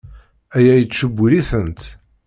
Aya yettcewwil-itent.